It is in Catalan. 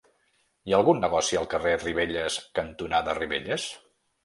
Hi ha algun negoci al carrer Ribelles cantonada Ribelles?